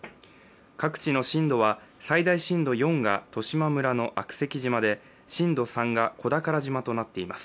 各地の震度は最大震度４が十島村の悪石島で震度３が小宝島となっています。